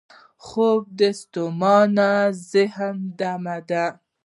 خوب د ستومانه ذهن دمه ده